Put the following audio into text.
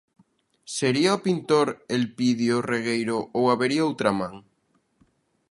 ¿Sería o pintor Elpidio Regueiro ou habería outra man?